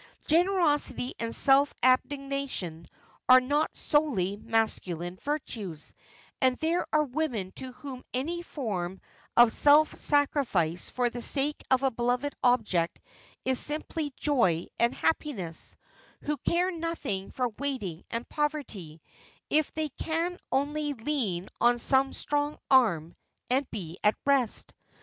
Generosity and self abnegation are not solely masculine virtues, and there are women to whom any form of self sacrifice for the sake of a beloved object is simply joy and happiness; who care nothing for waiting and poverty, if they can only lean on some strong arm and be at rest.